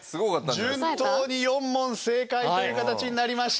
順当に４問正解という形になりました。